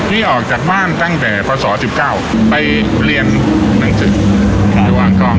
พี่ออกจากบ้านตั้งแต่ภาษาสองสิบเก้าไปเรียนหนังสืออยู่อังทอง